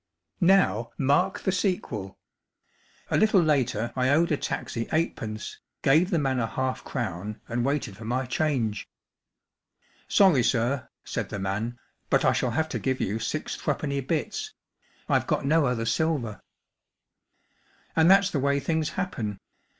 11 Now mark the sequel, A little later I owed a taxi eightpence, gave the man a half crown and waited for my change. ' Sony* sir/ said the man, 1 but I shall have to give you six threepenny bits. I’ve got no other silver.’ " And that's the way things happen.